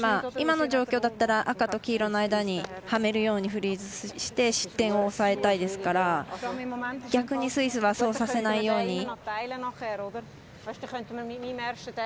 今の状況だったら赤と黄色の間にはめるように失点を抑えたいですから逆にスイスはそうさせないように。